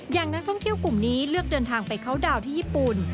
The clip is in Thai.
อย่างนักท่องเที่ยวกลุ่มนี้เลือกเดินทางไปเข้าดาวน์ที่ญี่ปุ่น